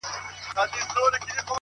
ځکه چي ماته يې زړگی ويلی،